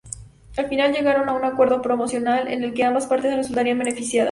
Al final, llegaron a un acuerdo promocional, en el que ambas partes resultarían beneficiadas.